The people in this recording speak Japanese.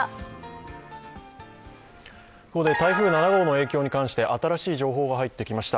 ここで台風７号の影響に関して新しい情報が入ってきました。